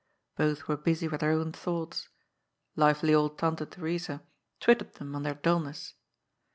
Both were busy with their own thoughts. Lively old Tante Theresa twitted them on their dulness.